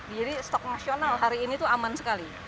jadi stok nasional hari ini itu aman sekali